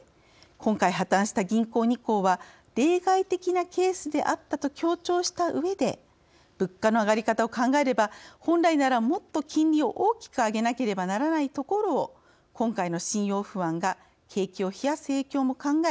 今回、破綻した銀行２行は例外的なケースであったと強調したうえで物価の上がり方を考えれば本来なら、もっと金利を大きく上げなければならないところを今回の信用不安が景気を冷やす影響も考え